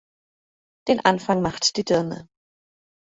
Den Anfang macht die Dirne.